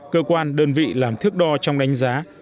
cơ quan đơn vị làm thước đo trong đánh giá